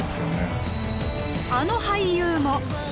あの俳優も！